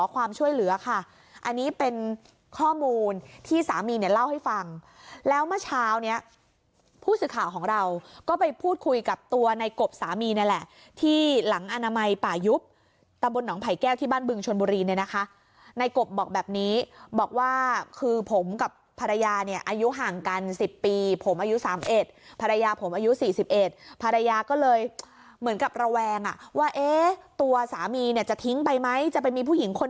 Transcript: ความช่วยเหลือค่ะอันนี้เป็นข้อมูลที่สามีเนี่ยเล่าให้ฟังแล้วเมื่อเช้านี้ผู้สื่อข่าวของเราก็ไปพูดคุยกับตัวในกบสามีนี่แหละที่หลังอนามัยป่ายุบตำบลหนองไผ่แก้วที่บ้านบึงชวนบุรีนเนี่ยนะคะในกบบอกแบบนี้บอกว่าคือผมกับภรรยาเนี่ยอายุห่างกันสิบปีผมอายุสามเอ็ดภรรยาผมอายุสี่สิบเอ็ดภรร